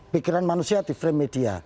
pikiran manusia di frame media